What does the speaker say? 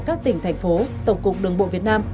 các tỉnh thành phố tổng cục đường bộ việt nam